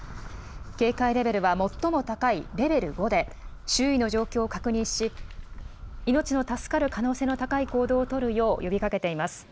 警戒レベルは最も高いレベル５で、周囲の状況を確認し、命の助かる可能性の高い行動を取るよう呼びかけています。